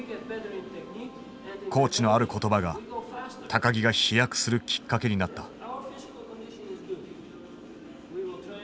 コーチのある言葉が木が飛躍するきっかけになった。